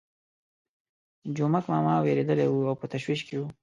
جومک ماما وېرېدلی وو او په تشویش کې وو.